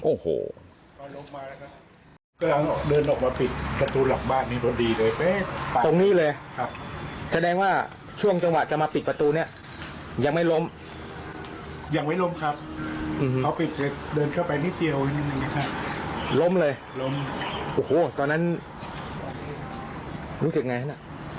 ล้มเลยโอ้โหตอนนั้นรู้สึกยังไงนะ